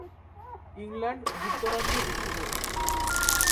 England যুক্তরাজ্যের একটি দেশ।